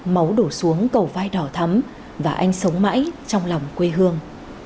máu đổ xuống cầu vai đỏ thắm và anh sống mãi trong lòng quê hương